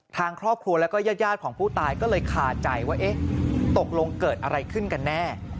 ทางครอบครัวแล้วก็ญาติของผู้ตายก็เลยคาใจว่าเอ๊ะตกลงเกิดอะไรขึ้นกันแน่